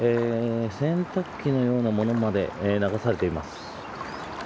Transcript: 洗濯機のようなものまで流されています。